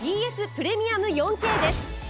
プレミアム４Ｋです。